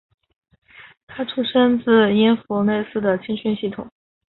他出身自因弗内斯的青训系统。